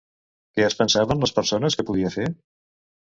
Què es pensaven les persones que podia fer?